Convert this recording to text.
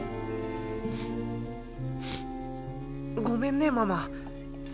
ごめんねママ。